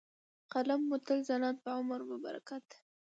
، قلم مو تل ځلاند په عمر مو برکت .